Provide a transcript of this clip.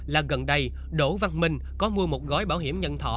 là gần đây đỗ văn minh có mua một gói bảo hiểm nhân thọ